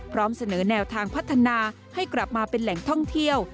พร้อมเสนอแนวทางพัฒนาให้กลับมาเป็นแหล่งท่องเที่ยว